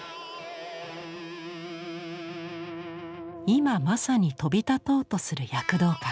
今まさに飛び立とうとする躍動感